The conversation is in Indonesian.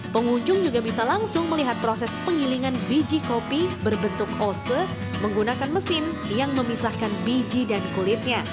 pengunjung juga bisa langsung melihat proses penggilingan biji kopi berbentuk ose menggunakan mesin yang memisahkan biji dan kulitnya